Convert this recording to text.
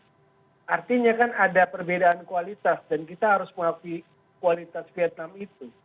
ya artinya kan ada perbedaan kualitas dan kita harus mengakui kualitas vietnam itu